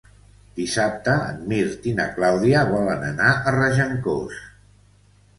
Dissabte en Mirt i na Clàudia volen anar a Regencós.